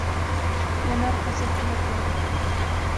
د انارو حاصل کله ټول کړم؟